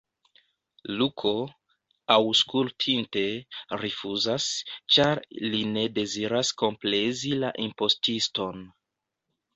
Luko, aŭskultinte, rifuzas, ĉar li ne deziras komplezi la impostiston.